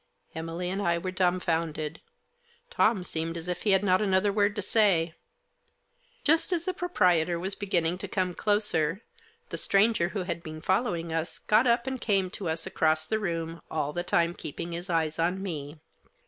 Emily and I were dumbfounded. Tom seemed as if he had not another word to say. Just as the proprietor was beginning to come closer, the stranger who had been following us got up and came to us across the room, all the time keeping his eyes on me.